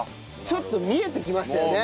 ちょっと見えてきましたよね。